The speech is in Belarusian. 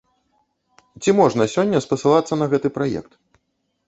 Ці можна сёння спасылацца на гэты праект?